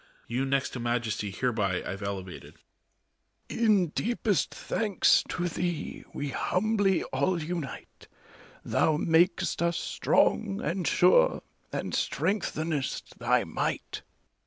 You next to Majesty hereby Pve elevated. ARCHBISHOP. In deepest thanks to thee we humbly all unite : Thou mak'st us strong and sure, and strengthenest thy might.